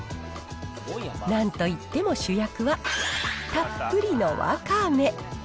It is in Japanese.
なんといっても主役はたっぷりのわかめ。